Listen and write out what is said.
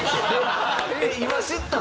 今知ったん？